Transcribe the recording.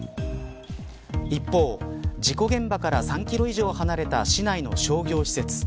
一方、事故現場から３キロ以上離れた市内の商業施設。